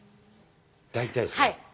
大体ですね。